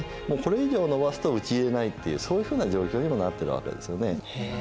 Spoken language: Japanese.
もうこれ以上延ばすと討ち入れないっていうそういうふうな状況にもなってるわけですよね。